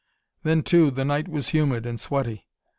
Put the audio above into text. Then, too, the night was humid and sweaty.